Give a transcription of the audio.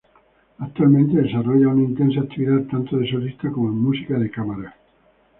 Actualmente desarrolla una intensa actividad tanto de solista como en música de cámara.